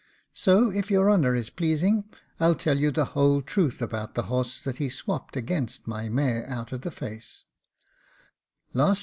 So if your honour is pleasing, I'll tell you the whole truth about the horse that he swopped against my mare out of the face.